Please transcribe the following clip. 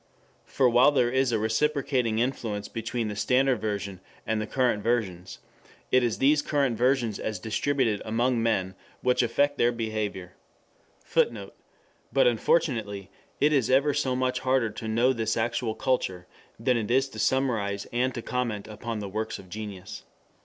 For while there is a reciprocating influence between the standard version and the current versions, it is these current versions as distributed among men which affect their behavior. [Footnote: But unfortunately it is ever so much harder to know this actual culture than it is to summarize and to comment upon the works of genius.